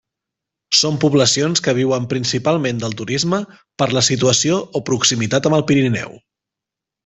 Són poblacions que viuen principalment del turisme per la situació o proximitat amb el Pirineu.